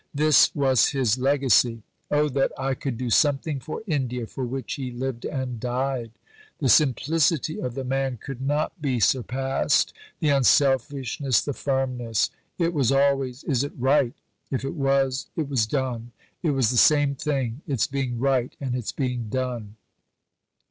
This was his legacy. O that I could do something for India for which he lived and died! The simplicity of the man could not be surpassed the unselfishness, the firmness. It was always, "Is it right?" If it was, it was done. It was the same thing: its being right and its being done....